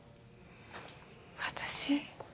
私？